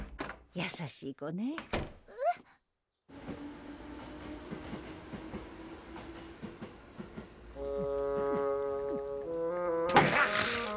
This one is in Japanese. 優しい子ねえっ？ぷはー！